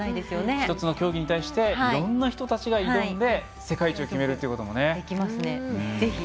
１つの競技に対していろんな人たちが挑んで世界一を決めるということもね。